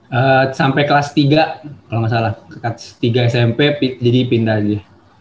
eee sampe kelas tiga kalo gak salah ke tiga smp jadi pindah aja